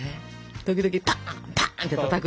時々「パン！パン！」ってたたく？